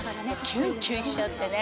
キュンキュンしちゃってね。